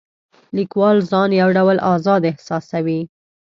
لیکوال ځان یو ډول آزاد احساسوي.